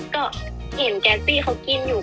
ก็เห็นแกซี่เขากินอยู่